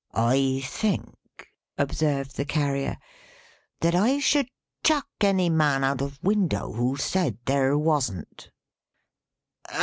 "I think," observed the Carrier, "that I should chuck any man out of window, who said there wasn't."